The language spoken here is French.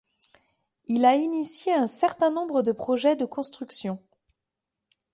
Il a initié un certain nombre de projets de construction.